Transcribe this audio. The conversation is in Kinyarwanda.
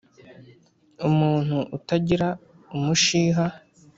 umuntu utagira umushiha